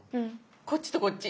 こっちとこっち。